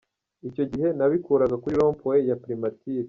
Icyo gihe nabikuraga kuri rond point ya Primature.